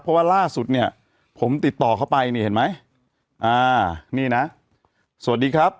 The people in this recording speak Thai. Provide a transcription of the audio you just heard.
เพราะว่าล่าสุดเนี่ยผมติดต่อเข้าไปนี่เห็นไหมอ่านี่นะสวัสดีครับ